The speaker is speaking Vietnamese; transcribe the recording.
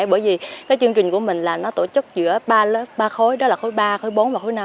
bởi vì cái chương trình của mình là nó tổ chức giữa ba lớp ba khối đó là khối ba khối bốn và khối năm